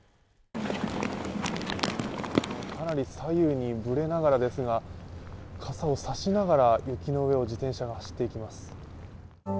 かなり左右にぶれながらですが傘を差しながら雪の上を自転車が走っていきます。